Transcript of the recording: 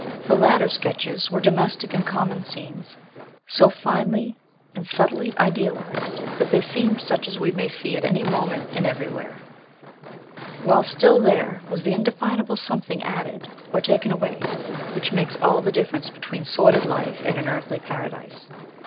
The latter sketches were domestic and common scenes, so finely and subtilely idealized that they seemed such as we may see at any moment, and eye, where; while still there was the indefinable something added, or taken away, which makes all the difference between sordid life and an earthly paradise.